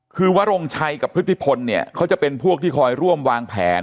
คือวรงชัยกับพฤติพลเนี่ยเขาจะเป็นพวกที่คอยร่วมวางแผน